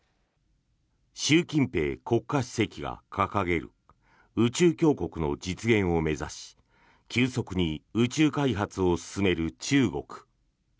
習近平国家主席が掲げる宇宙強国の実現を目指し急速に宇宙開発を進める中国。